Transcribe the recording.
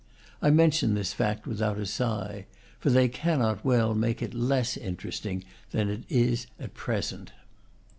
I mention this fact without a sigh; for they cannot well make it less interesting than it is at present.